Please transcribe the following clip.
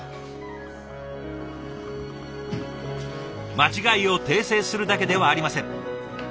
間違いを訂正するだけではありません。